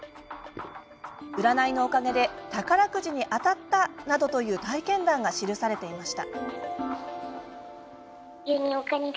占いのおかげで宝くじに当たったなどという体験談が記されていました。